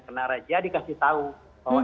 kena raja dikasih tahu bahwa